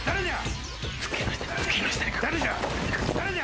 誰じゃ？